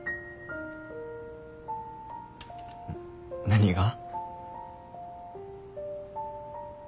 何が？